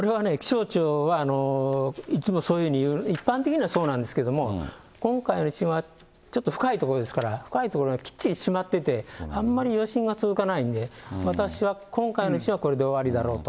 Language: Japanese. これはね、気象庁はいつもそういうふうに言う、一般的にはそうなんですけども、今回の地震はちょっと深い所ですから、深い所、きっちりしまってて、あんまり余震が続かないんで、私は、今回の地震はこれで終わりだろうと。